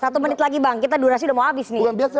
satu menit lagi bang kita durasi udah mau habis nih